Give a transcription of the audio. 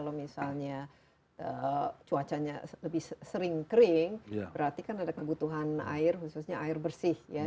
jadi kalau cuacanya lebih sering kering berarti kan ada kebutuhan air khususnya air bersih ya